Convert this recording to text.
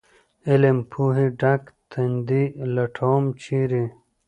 علم پوهې ډک تندي لټوم ، چېرې ؟